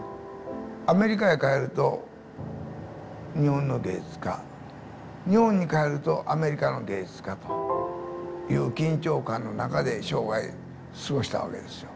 アメリカへ帰ると日本の芸術家日本に帰るとアメリカの芸術家という緊張感の中で生涯過ごしたわけですよ。